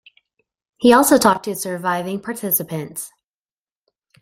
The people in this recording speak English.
He also talked to surviving participants.